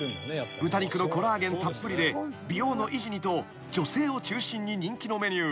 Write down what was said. ［豚肉のコラーゲンたっぷりで美容の維持にと女性を中心に人気のメニュー］